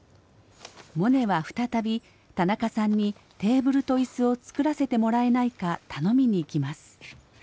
モネは再び田中さんにテーブルと椅子を作らせてもらえないか頼みに行きます。